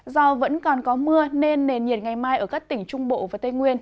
do vẫn còn có mưa nên nền nhiệt ngày mai ở các tỉnh trung bộ và tây nguyên